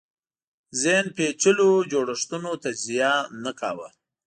ذهن پېچلو جوړښتونو تجزیه نه کاوه